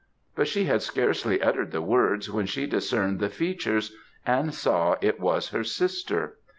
but she had scarcely uttered the words when she discerned the features, and saw it was her sister.